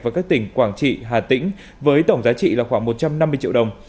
và các tỉnh quảng trị hà tĩnh với tổng giá trị là khoảng một trăm năm mươi triệu đồng